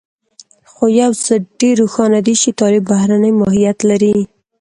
خو يو څه ډېر روښانه دي چې طالب بهرنی ماهيت لري.